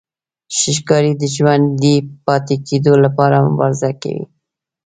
ښکاري د ژوندي پاتې کېدو لپاره مبارزه کوي.